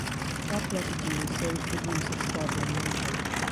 Crop residue is saved for use as fodder in winter.